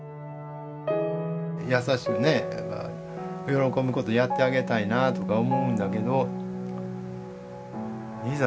優しくね喜ぶことやってあげたいなとか思うんだけどいざ